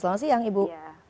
selamat siang ibu